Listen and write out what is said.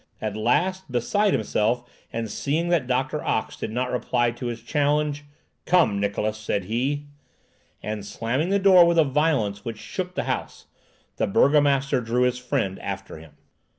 At last, beside himself, and seeing that Doctor Ox did not reply to his challenge, "Come, Niklausse," said he. And, slamming the door with a violence which shook the house, the burgomaster drew his friend after him.